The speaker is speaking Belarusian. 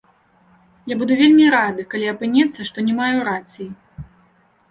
Я буду вельмі рады, калі апынецца, што не маю рацыі.